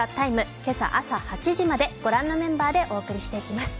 今朝８時までご覧のメンバーでお送りしていきます。